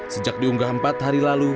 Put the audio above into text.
sejak diunggah empat hari lalu